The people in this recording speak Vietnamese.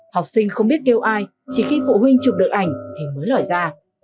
học sinh không biết kêu ai chỉ khi phụ huynh chụp được ảnh thì mới lòi ra